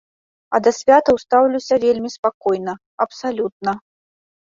А да святаў стаўлюся вельмі спакойна, абсалютна.